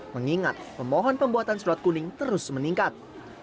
mengingat pemohon pembuatan surat kuning terus meningkat